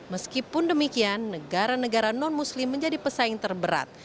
meskipun demikian negara negara non muslim menjadi pesaing terberat